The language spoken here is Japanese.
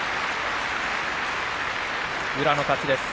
宇良の勝ちです。